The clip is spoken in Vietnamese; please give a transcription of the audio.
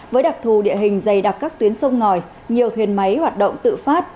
với đặc thù địa hình dày đặc các tuyến sông ngòi nhiều thuyền máy hoạt động tự phát